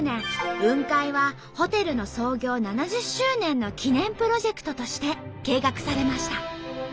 雲海はホテルの創業７０周年の記念プロジェクトとして計画されました。